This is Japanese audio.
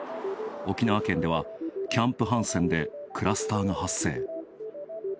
沖縄県ではキャンプ・ハンセンでクラスターが発生。